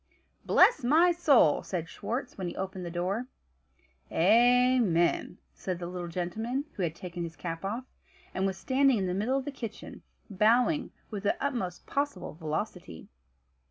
"Bless my soul!" said Schwartz when he opened the door. "Amen," said the little gentleman, who had taken his cap off, and was standing in the middle of the kitchen, bowing with the utmost possible velocity.